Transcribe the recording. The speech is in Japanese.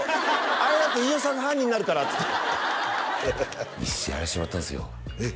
「あれだと飯尾さんが犯人になるから」っつって一緒にやらせてもらったんですよえっ？